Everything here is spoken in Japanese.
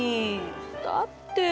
だって。